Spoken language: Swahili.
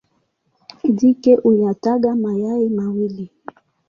Jike huyataga mayai mawili.